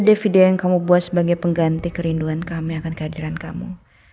ada video yang kamu buat sebagai pengganti kerinduan kami akan kehadiran kamu